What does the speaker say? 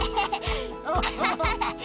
アハハハ。